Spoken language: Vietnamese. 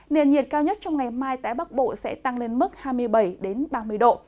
nền nhiệt cao nhất trong ngày mai tại bắc bộ sẽ tăng lên mức hai mươi bảy ba mươi độ